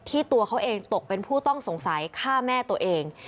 ตัวเขาเองตกเป็นผู้ต้องสงสัยฆ่าแม่ตัวเอง